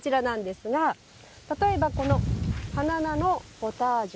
例えば、花菜のポタージュ。